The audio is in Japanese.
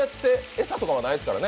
餌とかはないですからね。